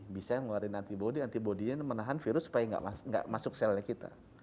b cell ngeluarin antibody antibody nya menahan virus supaya gak masuk ke cell nya kita